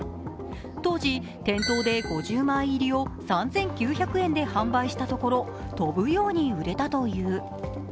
当時、店頭で５０枚入りを３９００円で販売したところ飛ぶように売れたという。